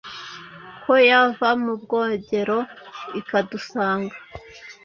ko yava mu bwogero ikadusanga